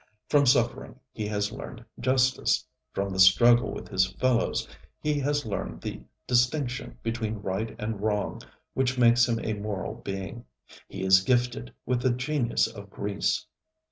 From suffering he has learned justice; from the struggle with his fellows he has learned the distinction between right and wrong which makes him a moral being. He is gifted with the genius of Greece.